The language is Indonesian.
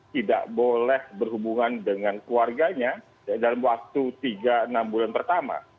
tidak boleh berhubungan dengan keluarganya dalam waktu tiga enam bulan pertama